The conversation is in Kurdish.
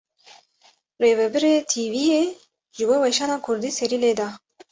Rivebirê tv yê, ji bo weşana Kurdî serî lê da